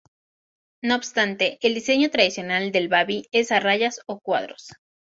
No obstante, el diseño tradicional del babi es a rayas o cuadros.